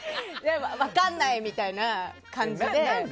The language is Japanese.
分かんない！みたいな感じで。